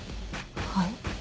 はい？